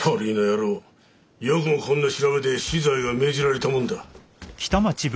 よくもこんな調べで死罪が命じられたもんだ！